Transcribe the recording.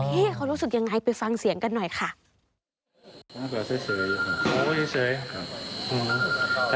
เขารู้สึกยังไงไปฟังเสียงกันหน่อยค่ะ